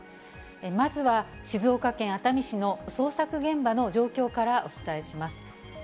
まずは静岡県熱海市の捜索現場の状況からお伝えします。